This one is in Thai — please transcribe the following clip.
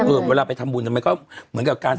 อุ๊ยดีจังเลย